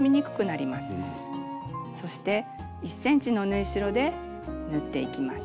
そして１ｃｍの縫い代で縫っていきます。